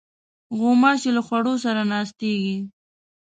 غوماشې له خوړو سره ناستېږي.